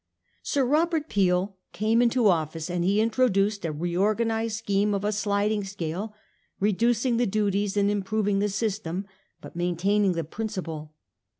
Sir Robert Peel came into office, and he introduced a reorganised scheme of a sliding scale, reducing the duties and improving the system, but maintaining the principle.